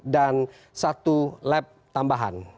dan satu lap tambahan